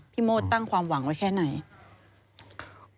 โมดตั้งความหวังไว้แค่ไหน